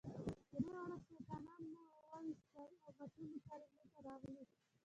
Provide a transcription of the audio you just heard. درې واړه شیطانان مو وويشتل او مکې مکرمې ته راغلو.